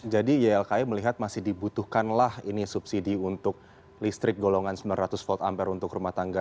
jadi ylki melihat masih dibutuhkanlah ini subsidi untuk listrik golongan sembilan ratus volt ampere untuk rumah tangga